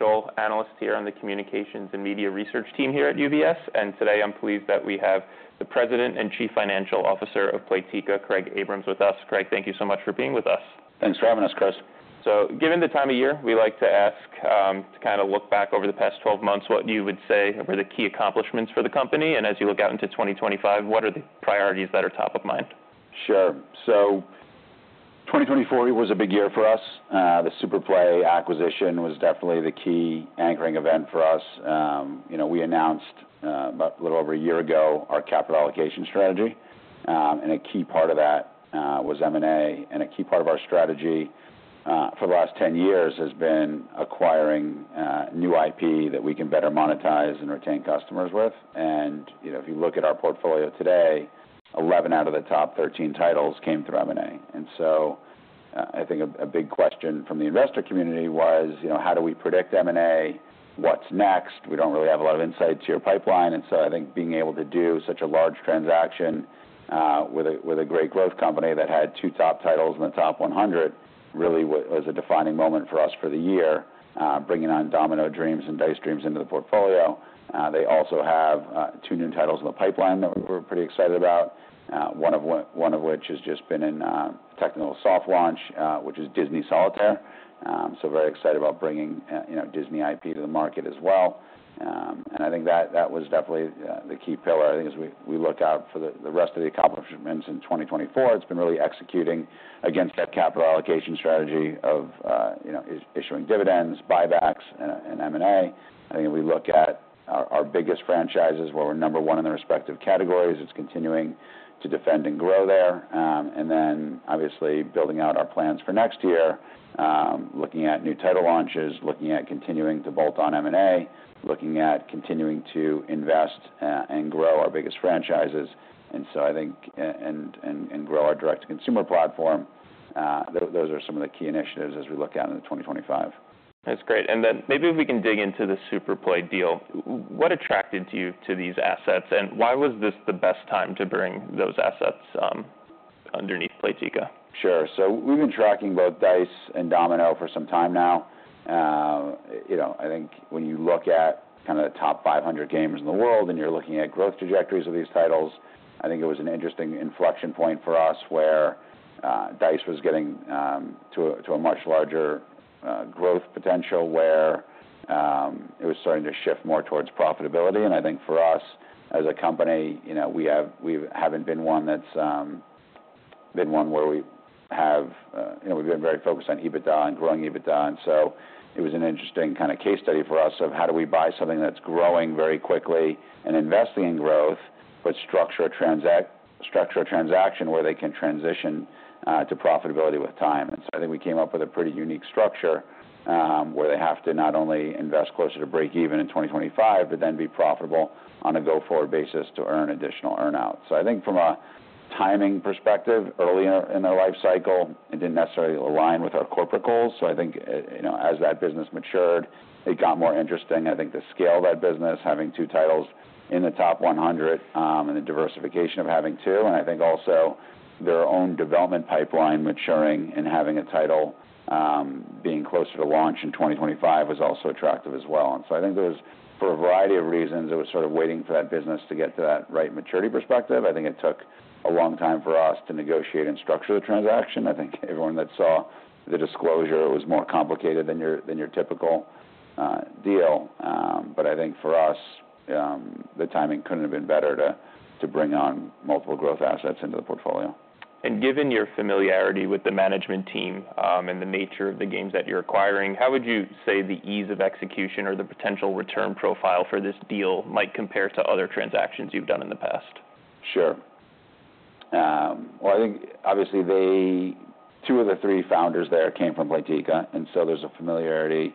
Analyst here on the Communications and Media Research team here at UBS and today I'm pleased that we have the President and Chief Financial Officer of Playtika, Craig Abrahams, with us. Craig, thank you so much for being with us. Thanks for having us, Chris. So, given the time of year, we like to ask to kind of look back over the past 12 months, what you would say were the key accomplishments for the company. And as you look out into 2025, what are the priorities that are top of mind? Sure. So 2024 was a big year for us. The SuperPlay acquisition was definitely the key anchoring event for us. We announced a little over a year ago our capital allocation strategy. And a key part of that was M&A. And a key part of our strategy for the last 10 years has been acquiring new IP that we can better monetize and retain customers with. And if you look at our portfolio today, 11 out of the top 13 titles came through M&A. And so I think a big question from the investor community was, how do we predict M&A? What's next? We don't really have a lot of insight to your pipeline. And so I think being able to do such a large transaction with a great growth company that had two top titles in the top 100 really was a defining moment for us for the year, bringing on Domino Dreams and Dice Dreams into the portfolio. They also have two new titles in the pipeline that we're pretty excited about, one of which has just been in technical soft launch, which is Disney Solitaire. So very excited about bringing Disney IP to the market as well. And I think that was definitely the key pillar. I think as we look out for the rest of the accomplishments in 2024, it's been really executing against that capital allocation strategy of issuing dividends, buybacks, and M&A. I think if we look at our biggest franchises, where we're number one in their respective categories, it's continuing to defend and grow there. And then, obviously, building out our plans for next year, looking at new title launches, looking at continuing to bolt-on M&A, looking at continuing to invest and grow our biggest franchises. And so, I think, and grow our direct-to-consumer platform. Those are some of the key initiatives as we look out into 2025. That's great. And then maybe if we can dig into the Superplay deal, what attracted you to these assets? And why was this the best time to bring those assets underneath Playtika? Sure. So we've been tracking both Dice and Domino for some time now. I think when you look at kind of the top 500 games in the world and you're looking at growth trajectories of these titles, I think it was an interesting inflection point for us where Dice was getting to a much larger growth potential where it was starting to shift more towards profitability. And I think for us as a company, we haven't been one where we've been very focused on EBITDA and growing EBITDA. And so it was an interesting kind of case study for us of how do we buy something that's growing very quickly and investing in growth, but structure a transaction where they can transition to profitability with time. And so I think we came up with a pretty unique structure where they have to not only invest closer to break-even in 2025, but then be profitable on a go-forward basis to earn additional earnouts. So I think from a timing perspective, early in their life cycle, it didn't necessarily align with our corporate goals. So I think as that business matured, it got more interesting. I think the scale of that business, having two titles in the top 100 and the diversification of having two, and I think also their own development pipeline maturing and having a title being closer to launch in 2025 was also attractive as well. And so I think there was, for a variety of reasons, it was sort of waiting for that business to get to that right maturity perspective. I think it took a long time for us to negotiate and structure the transaction. I think everyone that saw the disclosure, it was more complicated than your typical deal. But I think for us, the timing couldn't have been better to bring on multiple growth assets into the portfolio. Given your familiarity with the management team and the nature of the games that you're acquiring, how would you say the ease of execution or the potential return profile for this deal might compare to other transactions you've done in the past? Sure, well, I think obviously two of the three founders there came from Playtika, and so there's a familiarity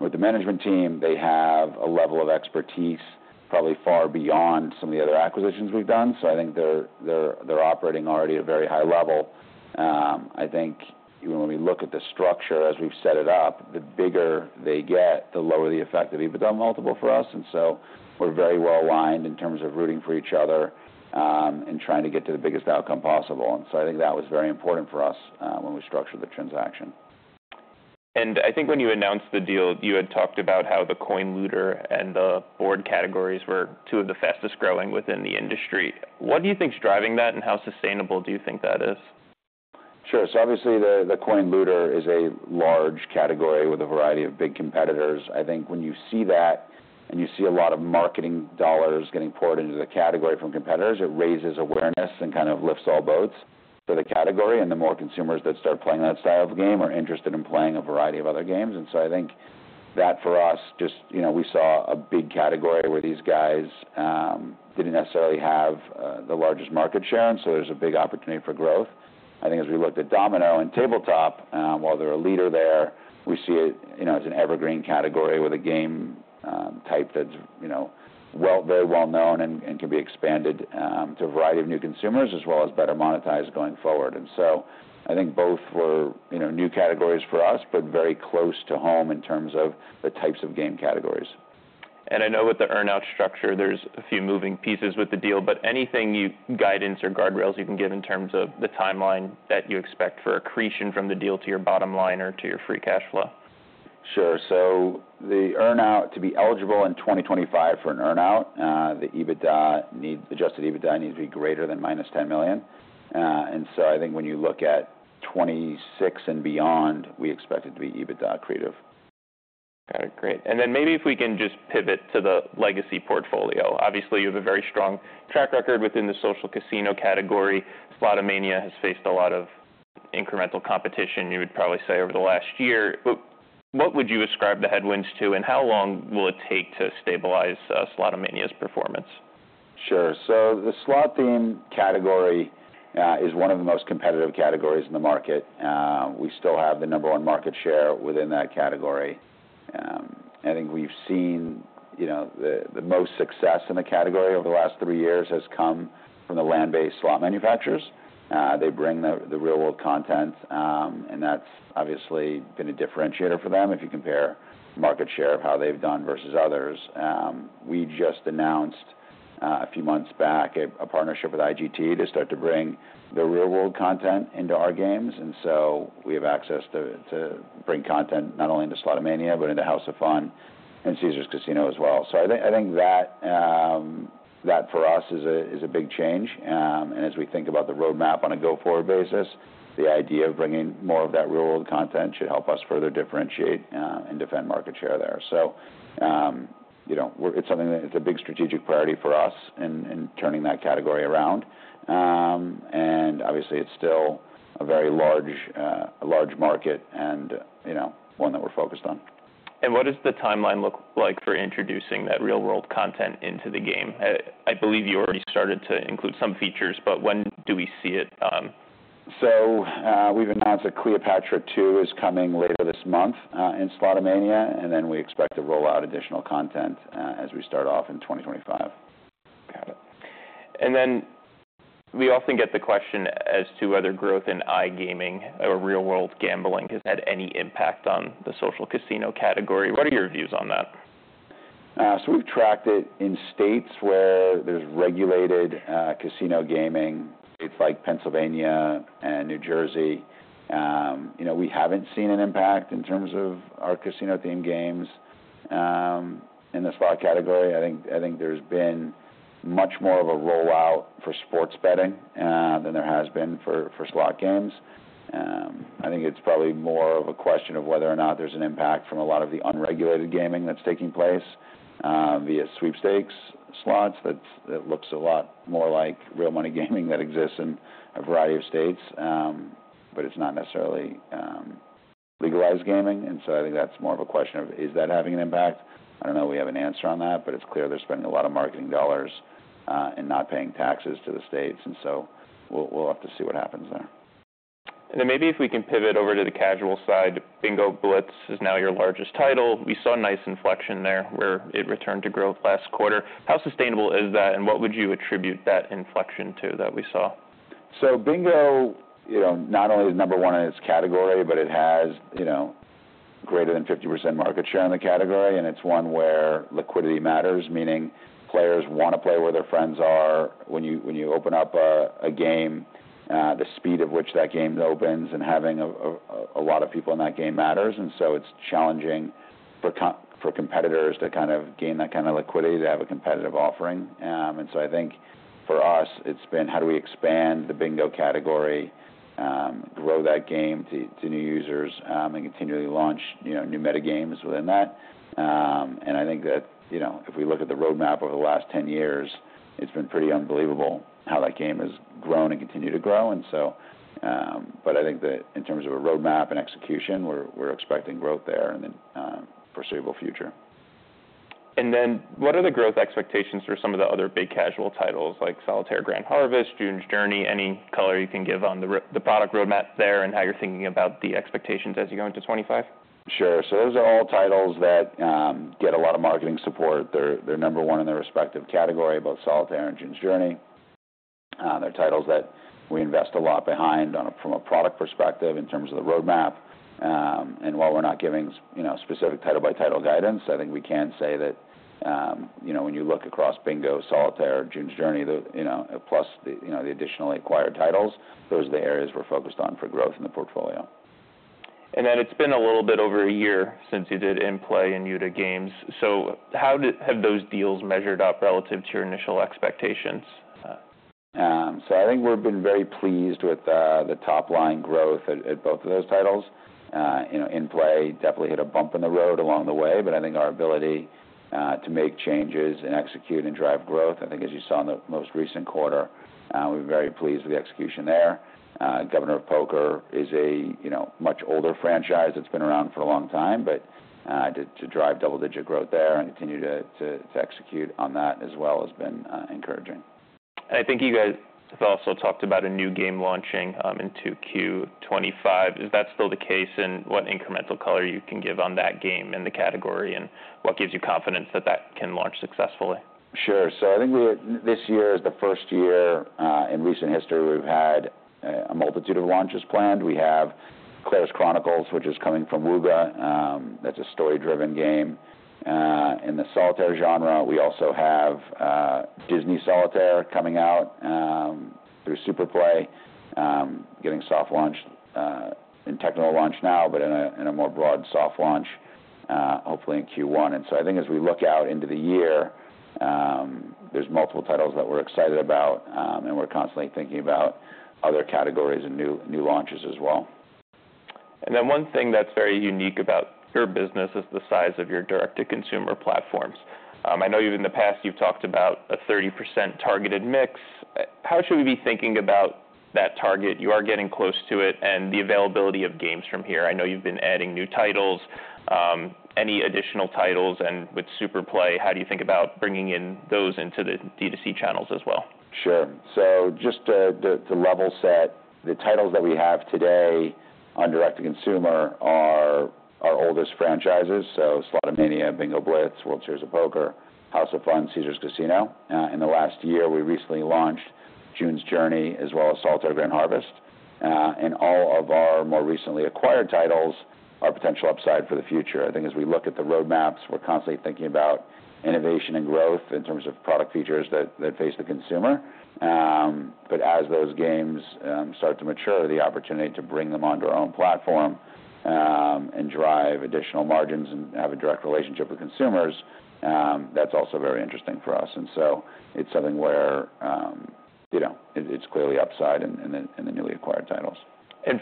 with the management team. They have a level of expertise probably far beyond some of the other acquisitions we've done, so I think they're operating already at a very high level. I think even when we look at the structure, as we've set it up, the bigger they get, the lower the effective EBITDA multiple for us, and so we're very well aligned in terms of rooting for each other and trying to get to the biggest outcome possible, and so I think that was very important for us when we structured the transaction. And I think when you announced the deal, you had talked about how the Coin Looter and the Board categories were two of the fastest growing within the industry. What do you think's driving that and how sustainable do you think that is? Sure, so obviously the Coin Looter is a large category with a variety of big competitors. I think when you see that and you see a lot of marketing dollars getting poured into the category from competitors, it raises awareness and kind of lifts all boats for the category, and the more consumers that start playing that style of game are interested in playing a variety of other games, and so I think that for us, just we saw a big category where these guys didn't necessarily have the largest market share, and so there's a big opportunity for growth. I think as we looked at Domino and Tabletop, while they're a leader there, we see it as an evergreen category with a game type that's very well known and can be expanded to a variety of new consumers as well as better monetized going forward. And so I think both were new categories for us, but very close to home in terms of the types of game categories. I know with the earnout structure, there's a few moving pieces with the deal, but anything, guidance or guardrails you can give in terms of the timeline that you expect for accretion from the deal to your bottom line or to your free cash flow? Sure. So to be eligible in 2025 for an earnout, the Adjusted EBITDA needs to be greater than -$10 million. And so I think when you look at 2026 and beyond, we expect it to be EBITDA accretive. Got it. Great, and then maybe if we can just pivot to the legacy portfolio. Obviously, you have a very strong track record within the social casino category. Slotomania has faced a lot of incremental competition, you would probably say, over the last year, but what would you ascribe the headwinds to, and how long will it take to stabilize Slotomania's performance? Sure. So the slot theme category is one of the most competitive categories in the market. We still have the number one market share within that category. I think we've seen the most success in the category over the last three years has come from the land-based slot manufacturers. They bring the real-world content, and that's obviously been a differentiator for them if you compare market share of how they've done versus others. We just announced a few months back a partnership with IGT to start to bring the real-world content into our games. And so we have access to bring content not only into Slotomania, but into House of Fun and Caesars Casino as well. So I think that for us is a big change. And as we think about the roadmap on a go-forward basis, the idea of bringing more of that real-world content should help us further differentiate and defend market share there. So it's a big strategic priority for us in turning that category around. And obviously, it's still a very large market and one that we're focused on. What does the timeline look like for introducing that real-world content into the game? I believe you already started to include some features, but when do we see it? So we've announced that Cleopatra II is coming later this month in Slotomania, and then we expect to roll out additional content as we start off in 2025. Got it. And then we often get the question as to whether growth in iGaming or real-world gambling has had any impact on the social casino category. What are your views on that? We've tracked it in states where there's regulated casino gaming, states like Pennsylvania and New Jersey. We haven't seen an impact in terms of our casino-themed games in the slot category. I think there's been much more of a rollout for sports betting than there has been for slot games. I think it's probably more of a question of whether or not there's an impact from a lot of the unregulated gaming that's taking place via sweepstakes slots. It looks a lot more like real money gaming that exists in a variety of states, but it's not necessarily legalized gaming. I think that's more of a question of, is that having an impact? I don't know. We don't have an answer on that, but it's clear they're spending a lot of marketing dollars and not paying taxes to the states. And so we'll have to see what happens there. And then maybe if we can pivot over to the casual side, Bingo Blitz is now your largest title. We saw a nice inflection there where it returned to growth last quarter. How sustainable is that, and what would you attribute that inflection to that we saw? So Bingo not only is number one in its category, but it has greater than 50% market share in the category. And it's one where liquidity matters, meaning players want to play where their friends are. When you open up a game, the speed at which that game opens and having a lot of people in that game matters. And so it's challenging for competitors to kind of gain that kind of liquidity to have a competitive offering. And so I think for us, it's been how do we expand the Bingo category, grow that game to new users, and continually launch new metagames within that. And I think that if we look at the roadmap over the last 10 years, it's been pretty unbelievable how that game has grown and continued to grow. I think that in terms of a roadmap and execution, we're expecting growth there in the foreseeable future. Then what are the growth expectations for some of the other big casual titles like Solitaire Grand Harvest, June's Journey? Any color you can give on the product roadmap there and how you're thinking about the expectations as you go into 2025? Sure. So those are all titles that get a lot of marketing support. They're number one in their respective category, both Solitaire and June's Journey. They're titles that we invest a lot behind from a product perspective in terms of the roadmap. And while we're not giving specific title-by-title guidance, I think we can say that when you look across Bingo, Solitaire, June's Journey, plus the additionally acquired titles, those are the areas we're focused on for growth in the portfolio. And then it's been a little bit over a year since you did Innplay and Youda Games. So how have those deals measured up relative to your initial expectations? So I think we've been very pleased with the top-line growth at both of those titles. Innplay definitely hit a bump in the road along the way, but I think our ability to make changes and execute and drive growth, I think as you saw in the most recent quarter, we're very pleased with the execution there. Governor of Poker is a much older franchise that's been around for a long time, but to drive double-digit growth there and continue to execute on that as well has been encouraging. And I think you guys have also talked about a new game launching in 2Q 2025. Is that still the case? And what incremental color you can give on that game in the category and what gives you confidence that that can launch successfully? Sure. So I think this year is the first year in recent history we've had a multitude of launches planned. We have Claire's Chronicles, which is coming from Wooga. That's a story-driven game in the Solitaire genre. We also have Disney Solitaire coming out through SuperPlay, getting soft launch and technical launch now, but in a more broad soft launch, hopefully in Q1. And so I think as we look out into the year, there's multiple titles that we're excited about, and we're constantly thinking about other categories and new launches as well. And then one thing that's very unique about your business is the size of your direct-to-consumer platforms. I know in the past you've talked about a 30% targeted mix. How should we be thinking about that target? You are getting close to it and the availability of games from here. I know you've been adding new titles. Any additional titles? And with SuperPlay, how do you think about bringing in those into the D2C channels as well? Sure. So just to level set, the titles that we have today on direct-to-consumer are our oldest franchises: Slotomania, Bingo Blitz, World Series of Poker, House of Fun, Caesars Casino. In the last year, we recently launched June's Journey as well as Solitaire Grand Harvest. And all of our more recently acquired titles are potential upside for the future. I think as we look at the roadmaps, we're constantly thinking about innovation and growth in terms of product features that face the consumer. But as those games start to mature, the opportunity to bring them onto our own platform and drive additional margins and have a direct relationship with consumers, that's also very interesting for us. And so it's something where it's clearly upside in the newly acquired titles.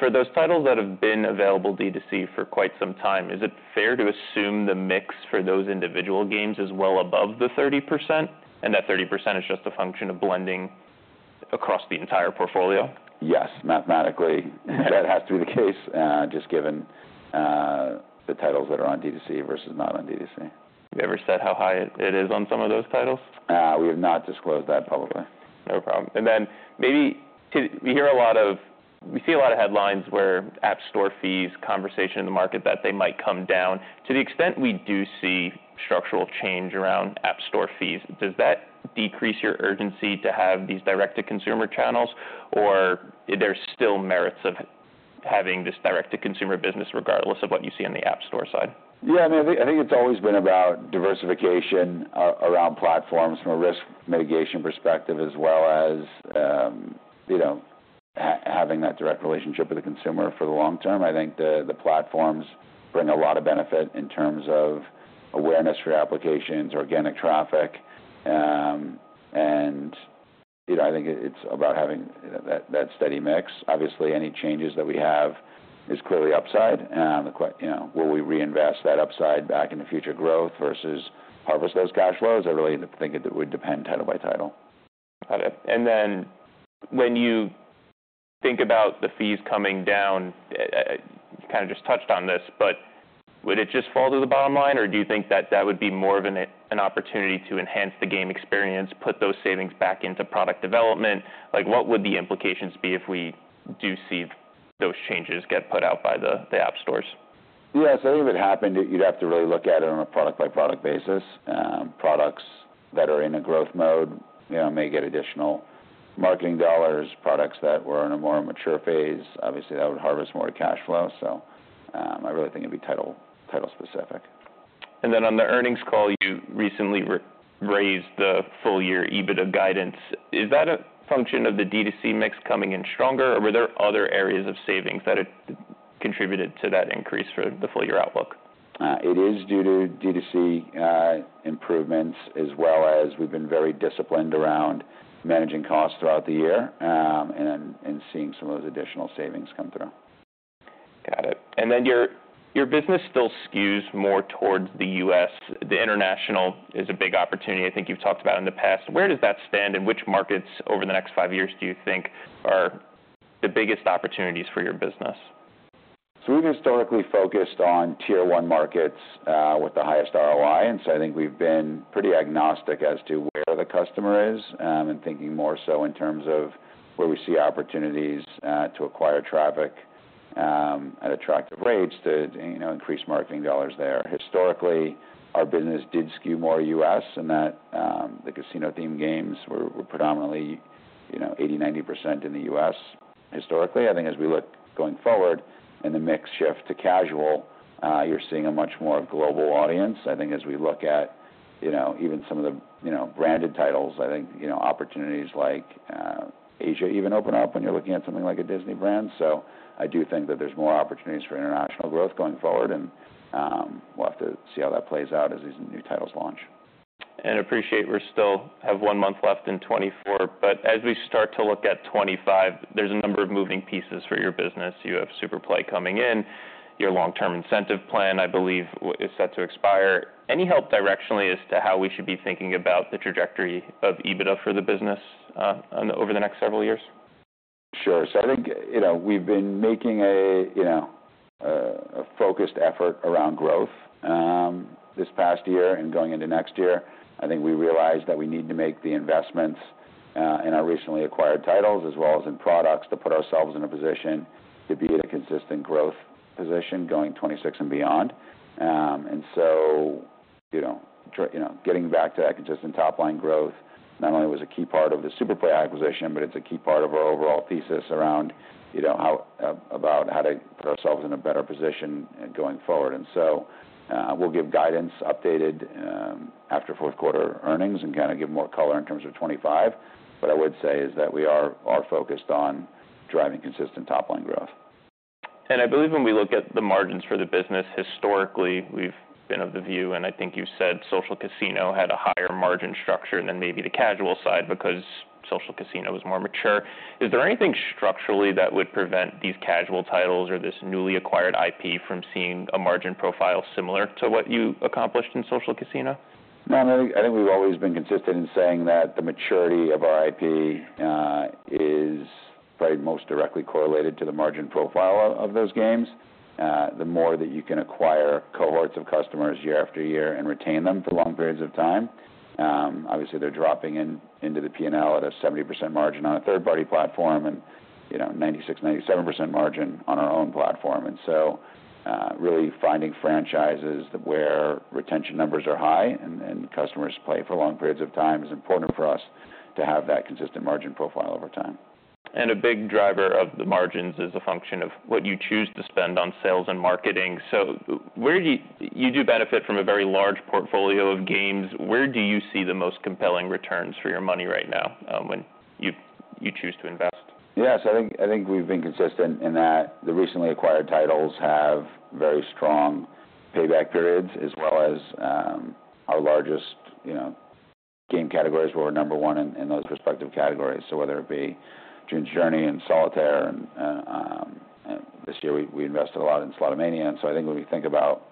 For those titles that have been available D2C for quite some time, is it fair to assume the mix for those individual games is well above the 30%? That 30% is just a function of blending across the entire portfolio? Yes, mathematically. That has to be the case just given the titles that are on D2C versus not on D2C. Have you ever said how high it is on some of those titles? We have not disclosed that publicly. No problem. And then maybe we see a lot of headlines where App Store fees conversation in the market that they might come down. To the extent we do see structural change around App Store fees, does that decrease your urgency to have these direct-to-consumer channels? Or are there still merits of having this direct-to-consumer business regardless of what you see on the App Store side? Yeah. I mean, I think it's always been about diversification around platforms from a risk mitigation perspective as well as having that direct relationship with the consumer for the long term. I think the platforms bring a lot of benefit in terms of awareness for your applications, organic traffic. And I think it's about having that steady mix. Obviously, any changes that we have is clearly upside. Will we reinvest that upside back into future growth versus harvest those cash flows? I really think it would depend title by title. Got it. And then when you think about the fees coming down, you kind of just touched on this, but would it just fall to the bottom line? Or do you think that that would be more of an opportunity to enhance the game experience, put those savings back into product development? What would the implications be if we do see those changes get put out by the app stores? Yeah, so I think if it happened, you'd have to really look at it on a product-by-product basis. Products that are in a growth mode may get additional marketing dollars. Products that were in a more mature phase, obviously, that would harvest more cash flow, so I really think it'd be title-specific. Then on the earnings call, you recently raised the full-year EBITDA guidance. Is that a function of the D2C mix coming in stronger? Or were there other areas of savings that contributed to that increase for the full-year outlook? It is due to D2C improvements as well as we've been very disciplined around managing costs throughout the year and seeing some of those additional savings come through. Got it. And then your business still skews more towards the U.S. The international is a big opportunity. I think you've talked about it in the past. Where does that stand? And which markets over the next five years do you think are the biggest opportunities for your business? So we've historically focused on tier-one markets with the highest ROI. And so I think we've been pretty agnostic as to where the customer is and thinking more so in terms of where we see opportunities to acquire traffic at attractive rates to increase marketing dollars there. Historically, our business did skew more U.S. in that the casino-themed games were predominantly 80%-90% in the U.S. historically. I think as we look going forward and the mix shift to casual, you're seeing a much more global audience. I think as we look at even some of the branded titles, I think opportunities like Asia even open up when you're looking at something like a Disney brand. So I do think that there's more opportunities for international growth going forward. And we'll have to see how that plays out as these new titles launch. And I appreciate we still have one month left in 2024. But as we start to look at 2025, there's a number of moving pieces for your business. You have SuperPlay coming in. Your long-term incentive plan, I believe, is set to expire. Any help directionally as to how we should be thinking about the trajectory of EBITDA for the business over the next several years? Sure. So I think we've been making a focused effort around growth this past year and going into next year. I think we realized that we need to make the investments in our recently acquired titles as well as in products to put ourselves in a position to be in a consistent growth position going 2026 and beyond, and so getting back to that consistent top-line growth not only was a key part of the SuperPlay acquisition, but it's a key part of our overall thesis around about how to put ourselves in a better position going forward, and so we'll give guidance updated after fourth-quarter earnings and kind of give more color in terms of 2025, but I would say is that we are focused on driving consistent top-line growth. I believe when we look at the margins for the business, historically, we've been of the view, and I think you said social casino had a higher margin structure than maybe the casual side because social casino was more mature. Is there anything structurally that would prevent these casual titles or this newly acquired IP from seeing a margin profile similar to what you accomplished in social casino? I think we've always been consistent in saying that the maturity of our IP is probably most directly correlated to the margin profile of those games. The more that you can acquire cohorts of customers year after year and retain them for long periods of time. Obviously, they're dropping into the P&L at a 70% margin on a third-party platform and 96%-97% margin on our own platform. So really finding franchises where retention numbers are high and customers play for long periods of time is important for us to have that consistent margin profile over time. And a big driver of the margins is a function of what you choose to spend on sales and marketing. So you do benefit from a very large portfolio of games. Where do you see the most compelling returns for your money right now when you choose to invest? Yeah. So I think we've been consistent in that the recently acquired titles have very strong payback periods as well as our largest game categories where we're number one in those respective categories. So whether it be June's Journey and Solitaire, this year we invested a lot in Slotomania. And so I think when we think about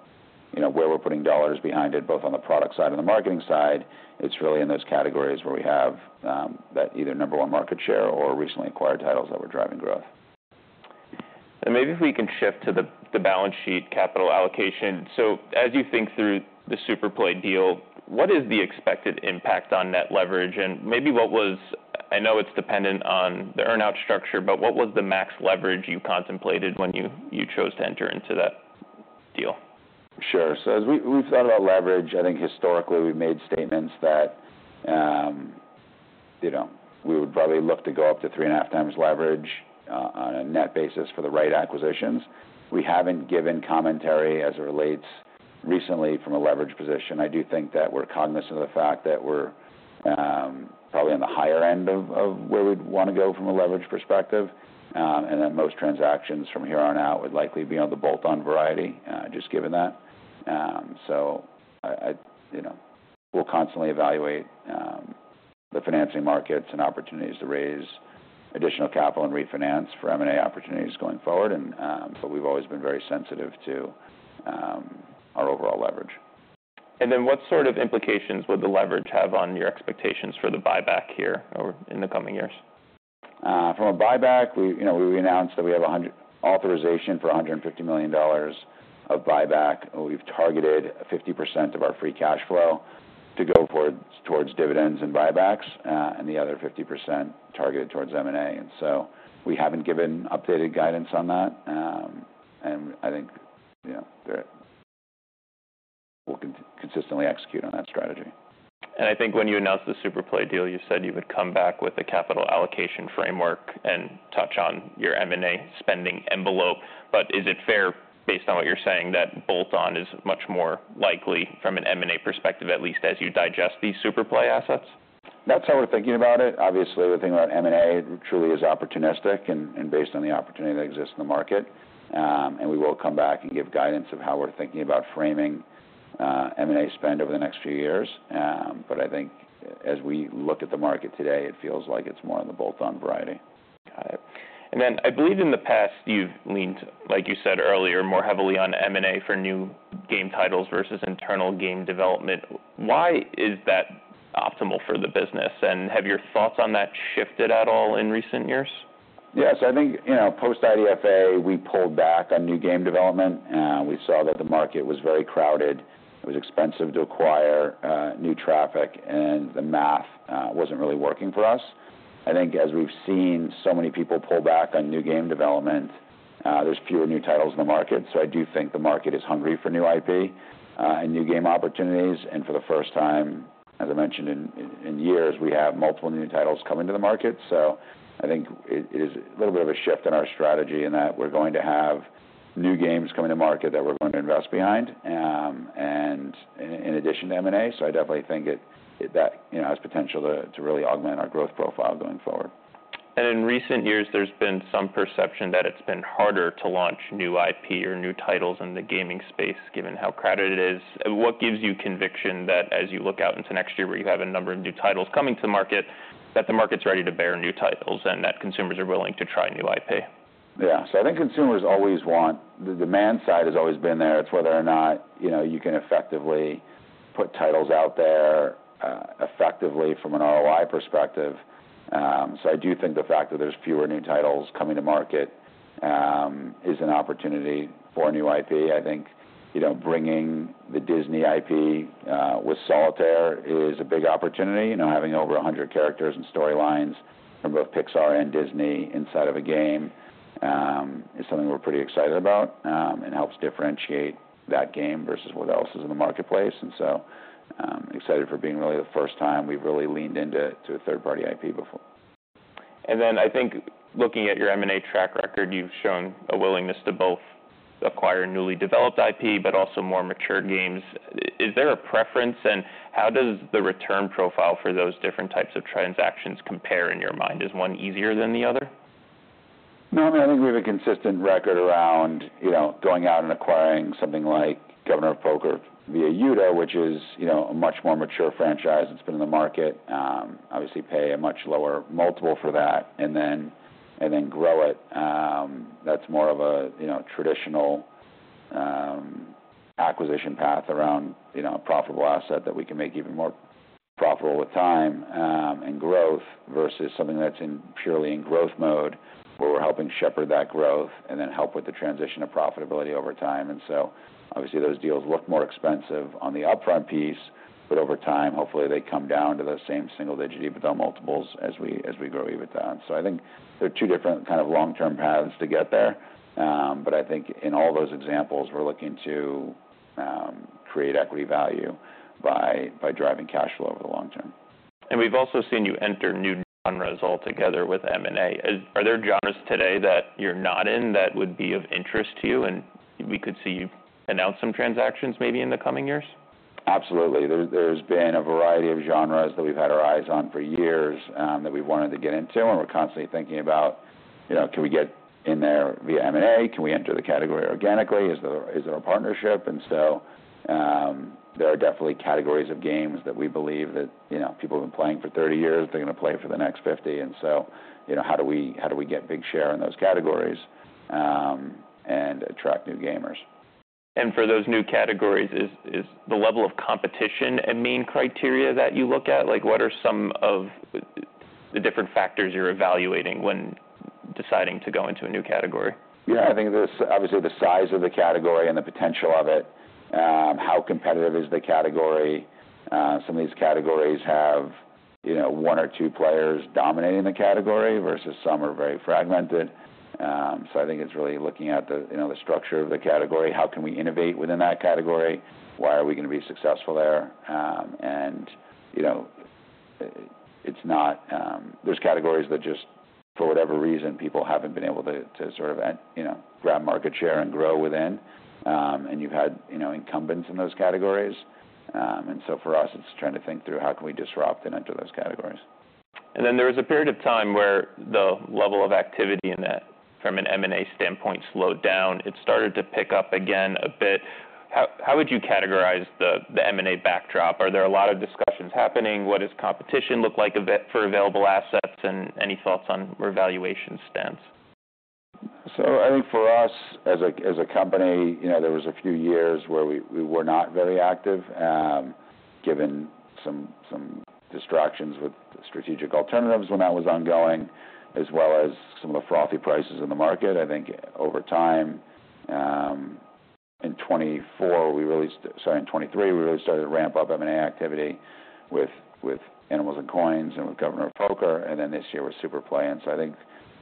where we're putting dollars behind it, both on the product side and the marketing side, it's really in those categories where we have that either number one market share or recently acquired titles that we're driving growth. Maybe if we can shift to the balance sheet capital allocation. As you think through the SuperPlay deal, what is the expected impact on net leverage? Maybe what was, I know it's dependent on the earnout structure, but what was the max leverage you contemplated when you chose to enter into that deal? Sure, so as we've thought about leverage, I think historically we've made statements that we would probably look to go up to three and a half times leverage on a net basis for the right acquisitions. We haven't given commentary as it relates recently from a leverage position. I do think that we're cognizant of the fact that we're probably on the higher end of where we'd want to go from a leverage perspective and that most transactions from here on out would likely be on the bolt-on variety just given that, so we'll constantly evaluate the financing markets and opportunities to raise additional capital and refinance for M&A opportunities going forward, but we've always been very sensitive to our overall leverage. What sort of implications would the leverage have on your expectations for the buyback here in the coming years? From a buyback, we announced that we have authorization for $150 million of buyback. We've targeted 50% of our free cash flow to go towards dividends and buybacks, and the other 50% targeted towards M&A. And so we haven't given updated guidance on that. And I think we'll consistently execute on that strategy. I think when you announced the SuperPlay deal, you said you would come back with a capital allocation framework and touch on your M&A spending envelope. Is it fair based on what you're saying that bolt-on is much more likely from an M&A perspective, at least as you digest these SuperPlay assets? That's how we're thinking about it. Obviously, we're thinking about M&A truly as opportunistic and based on the opportunity that exists in the market. And we will come back and give guidance of how we're thinking about framing M&A spend over the next few years. But I think as we look at the market today, it feels like it's more on the bolt-on variety. Got it. And then I believe in the past you've leaned, like you said earlier, more heavily on M&A for new game titles versus internal game development. Why is that optimal for the business? And have your thoughts on that shifted at all in recent years? Yeah. So I think post-IDFA, we pulled back on new game development. We saw that the market was very crowded. It was expensive to acquire new traffic, and the math wasn't really working for us. I think as we've seen so many people pull back on new game development, there's fewer new titles in the market. So I do think the market is hungry for new IP and new game opportunities. And for the first time, as I mentioned in years, we have multiple new titles coming to the market. So I think it is a little bit of a shift in our strategy in that we're going to have new games coming to market that we're going to invest behind in addition to M&A. So I definitely think that has potential to really augment our growth profile going forward. And in recent years, there's been some perception that it's been harder to launch new IP or new titles in the gaming space given how crowded it is. What gives you conviction that as you look out into next year where you have a number of new titles coming to the market, that the market's ready to bear new titles and that consumers are willing to try new IP? Yeah. So I think consumers always want. The demand side has always been there. It's whether or not you can effectively put titles out there effectively from an ROI perspective. So I do think the fact that there's fewer new titles coming to market is an opportunity for new IP. I think bringing the Disney IP with Solitaire is a big opportunity. Having over 100 characters and storylines from both Pixar and Disney inside of a game is something we're pretty excited about and helps differentiate that game versus what else is in the marketplace. And so excited for being really the first time we've really leaned into a third-party IP before. And then I think looking at your M&A track record, you've shown a willingness to both acquire newly developed IP but also more mature games. Is there a preference? And how does the return profile for those different types of transactions compare in your mind? Is one easier than the other? No. I mean, I think we have a consistent record around going out and acquiring something like Governor of Poker via Youda, which is a much more mature franchise that's been in the market. Obviously, pay a much lower multiple for that and then grow it. That's more of a traditional acquisition path around a profitable asset that we can make even more profitable with time and growth versus something that's purely in growth mode where we're helping shepherd that growth and then help with the transition of profitability over time. And so obviously, those deals look more expensive on the upfront piece, but over time, hopefully, they come down to the same single-digit EBITDA multiples as we grow EBITDA. And so I think there are two different kind of long-term paths to get there. But I think in all those examples, we're looking to create equity value by driving cash flow over the long term. We've also seen you enter new genres altogether with M&A. Are there genres today that you're not in that would be of interest to you? We could see you announce some transactions maybe in the coming years. Absolutely. There's been a variety of genres that we've had our eyes on for years that we've wanted to get into. And we're constantly thinking about, can we get in there via M&A? Can we enter the category organically? Is there a partnership? And so there are definitely categories of games that we believe that people have been playing for 30 years. They're going to play for the next 50. And so how do we get big share in those categories and attract new gamers? For those new categories, is the level of competition a main criteria that you look at? What are some of the different factors you're evaluating when deciding to go into a new category? Yeah. I think obviously the size of the category and the potential of it, how competitive is the category. Some of these categories have one or two players dominating the category versus some are very fragmented. So I think it's really looking at the structure of the category. How can we innovate within that category? Why are we going to be successful there? And there's categories that just for whatever reason, people haven't been able to sort of grab market share and grow within. And you've had incumbents in those categories. And so for us, it's trying to think through how can we disrupt and enter those categories. Then there was a period of time where the level of activity in that, from an M&A standpoint, slowed down. It started to pick up again a bit. How would you categorize the M&A backdrop? Are there a lot of discussions happening? What does competition look like for available assets? And any thoughts on revaluation stance? So I think for us as a company, there was a few years where we were not very active given some distractions with strategic alternatives when that was ongoing as well as some of the frothy prices in the market. I think over time in 2024, sorry, in 2023, we really started to ramp up M&A activity with Animals & Coins and with Governor of Poker. And then this year with SuperPlay. And so I think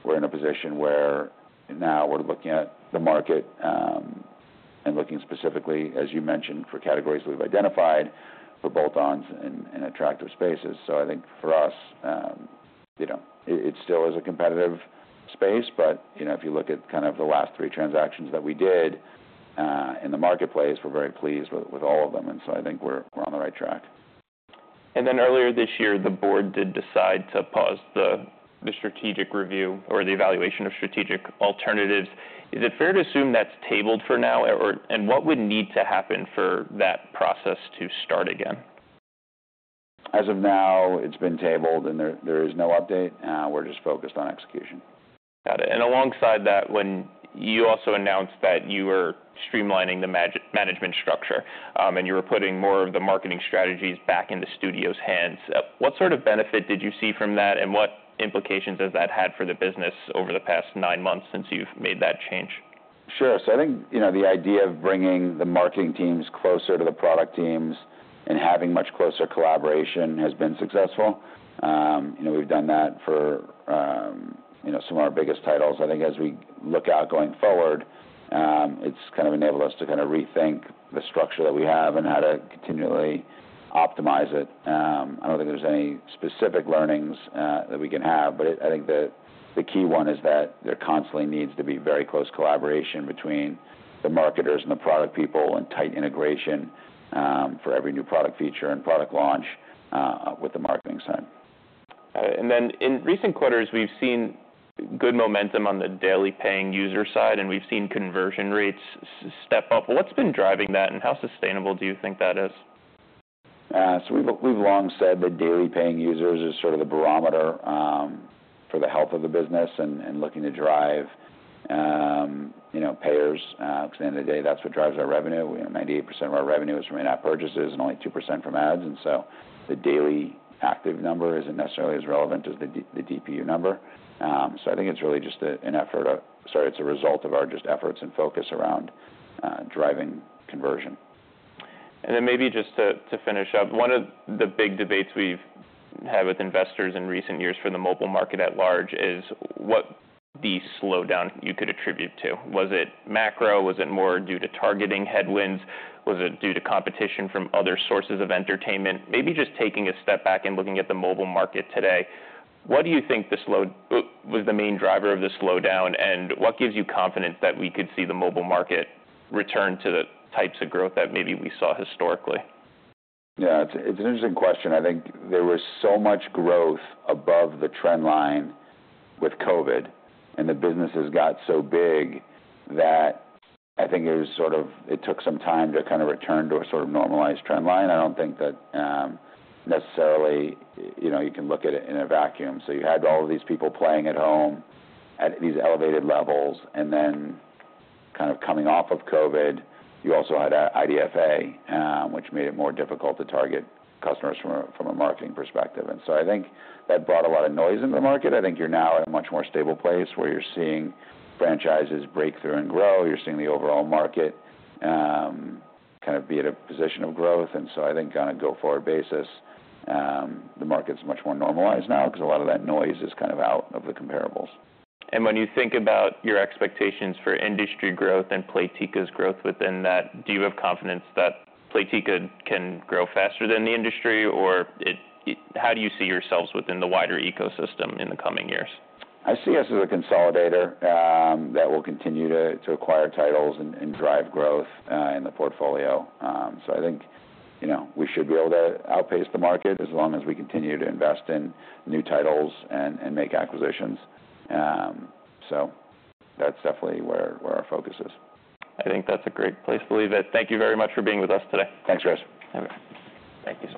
we're in a position where now we're looking at the market and looking specifically, as you mentioned, for categories we've identified for bolt-ons and attractive spaces. So I think for us, it still is a competitive space. But if you look at kind of the last three transactions that we did in the marketplace, we're very pleased with all of them. And so I think we're on the right track. Then earlier this year, the board did decide to pause the strategic review or the evaluation of strategic alternatives. Is it fair to assume that's tabled for now? What would need to happen for that process to start again? As of now, it's been tabled, and there is no update. We're just focused on execution. Got it. And alongside that, when you also announced that you were streamlining the management structure and you were putting more of the marketing strategies back into studio's hands, what sort of benefit did you see from that? And what implications has that had for the business over the past nine months since you've made that change? Sure, so I think the idea of bringing the marketing teams closer to the product teams and having much closer collaboration has been successful. We've done that for some of our biggest titles. I think as we look out going forward, it's kind of enabled us to kind of rethink the structure that we have and how to continually optimize it. I don't think there's any specific learnings that we can have, but I think the key one is that there constantly needs to be very close collaboration between the marketers and the product people and tight integration for every new product feature and product launch with the marketing side. Got it. And then in recent quarters, we've seen good momentum on the daily paying user side, and we've seen conversion rates step up. What's been driving that, and how sustainable do you think that is? So we've long said that daily paying users is sort of the barometer for the health of the business and looking to drive payers. At the end of the day, that's what drives our revenue. 98% of our revenue is from in-app purchases and only 2% from ads. And so the daily active number isn't necessarily as relevant as the DPU number. So I think it's really just an effort of, sorry, it's a result of our just efforts and focus around driving conversion. And then maybe just to finish up, one of the big debates we've had with investors in recent years for the mobile market at large is what the slowdown you could attribute to. Was it macro? Was it more due to targeting headwinds? Was it due to competition from other sources of entertainment? Maybe just taking a step back and looking at the mobile market today, what do you think was the main driver of the slowdown? And what gives you confidence that we could see the mobile market return to the types of growth that maybe we saw historically? Yeah. It's an interesting question. I think there was so much growth above the trend line with COVID, and the business has got so big that I think it was sort of, it took some time to kind of return to a sort of normalized trend line. I don't think that necessarily you can look at it in a vacuum. So you had all of these people playing at home at these elevated levels. And then kind of coming off of COVID, you also had IDFA, which made it more difficult to target customers from a marketing perspective. And so I think that brought a lot of noise into the market. I think you're now at a much more stable place where you're seeing franchises break through and grow. You're seeing the overall market kind of be at a position of growth. And so I think on a go-forward basis, the market's much more normalized now because a lot of that noise is kind of out of the comparable. When you think about your expectations for industry growth and Playtika's growth within that, do you have confidence that Playtika can grow faster than the industry? Or how do you see yourselves within the wider ecosystem in the coming years? I see us as a consolidator that will continue to acquire titles and drive growth in the portfolio. So I think we should be able to outpace the market as long as we continue to invest in new titles and make acquisitions. So that's definitely where our focus is. I think that's a great place to leave it. Thank you very much for being with us today. Thanks, Chris. Have a good day. Thanks.